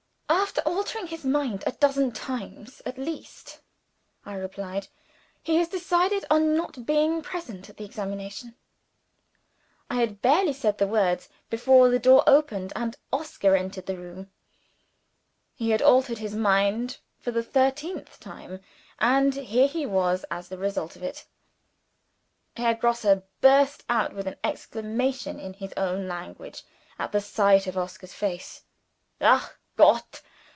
"After altering his mind a dozen times at least," I replied, "he has decided on not being present at the examination." I had barely said the words before the door opened, and Oscar entered the room. He had altered his mind for the thirteenth time and here he was as the result of it! Herr Grosse burst out with an exclamation in his own language, at the sight of Oscar's face. "Ach, Gott!"